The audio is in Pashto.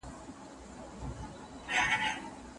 پشي د خدای لپاره موږک نه نیسي.